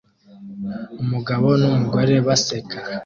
Umugabo n'umugore baseka